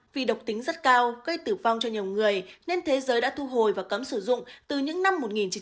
vì độc tính rất cao gây tử vong cho nhiều người nên thế giới đã thu hồi và cấm sử dụng từ những năm một nghìn chín trăm bảy mươi